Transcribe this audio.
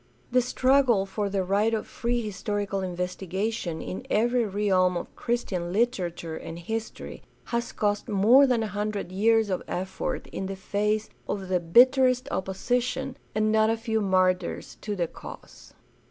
The struggle for the right of free historical investigation in every realm of Christian literature and history has cost more than a hundred years of effort in the face of the bitterest opposition and not a few "martyrs" to the cause.